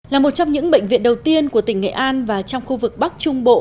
là một trong những bệnh viện đầu tiên của tỉnh nghệ an và trong khu vực bắc trung bộ